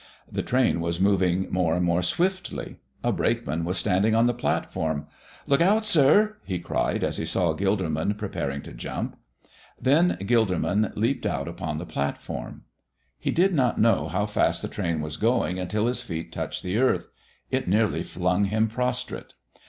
The train was moving more and more swiftly. A brakeman was standing on the platform. "Look out, sir!" he cried, as he saw Gilderman preparing to jump. Then Gilderman leaped out upon the platform. He did not know how fast the train was going until his feet touched the earth. It nearly flung him prostrate.